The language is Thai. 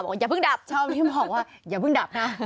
บอกอย่าเพิ่งดับชอบที่มันบอกว่าอย่าเพิ่งดับ